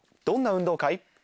どんな運動会？